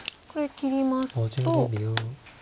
これ切りますと。